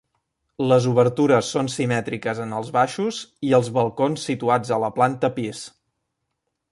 Les obertures són simètriques en els baixos i els balcons situats a la planta pis.